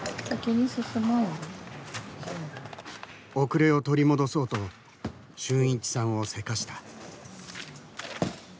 遅れを取り戻そうと春一さんをせかした。